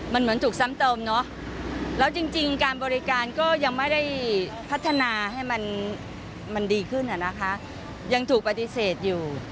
มันเหมือนถูกซ้ำเติมเนอะแล้วจริงการบริการก็ยังไม่ได้พัฒนาให้มันดีขึ้นอะนะคะยังถูกปฏิเสธอยู่